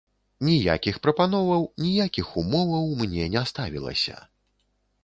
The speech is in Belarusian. Ніякіх прапановаў, ніякіх умоваў мне не ставілася.